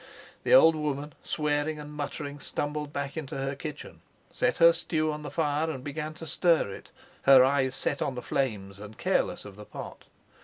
The old woman, swearing and muttering, stumbled back into her kitchen, set her stew on the fire, and began to stir it, her eyes set on the flames and careless of the pot.